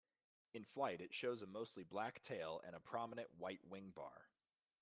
In flight it shows a mostly black tail and a prominent white wingbar.